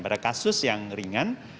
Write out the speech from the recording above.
pada kasus yang ringan